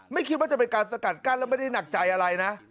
ไม่คิดว่าจะเป็นการสกัดกั้นแล้วไม่ได้หนักใจอะไรนะ